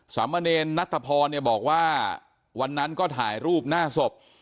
สามเณรนัทพรเนี่ยบอกว่าวันนั้นก็ถ่ายรูปหน้าศพ